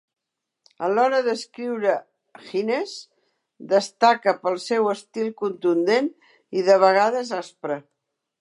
A l'hora d'escriure, Hines destaca pel seu estil contundent i, de vegades, aspre.